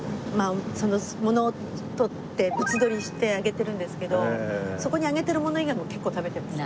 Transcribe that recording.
その物を撮ってブツ撮りして上げてるんですけどそこに上げてるもの以外も結構食べてますね。